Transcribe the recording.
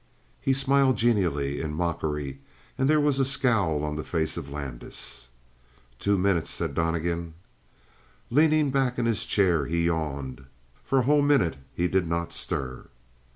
He smiled genially in mockery, and there was a scowl on the face of Landis. "Two minutes," said Donnegan. Leaning back in his chair, he yawned. For a whole minute he did not stir.